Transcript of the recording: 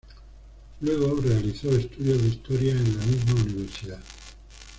Luego realizó estudios de Historia en la misma Universidad.